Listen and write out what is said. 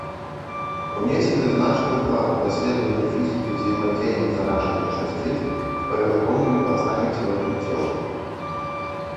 Унесены значны ўклад у даследаванне фізікі ўзаемадзеяння зараджаных часціц з павярхоўнымі пластамі цвёрдых цел.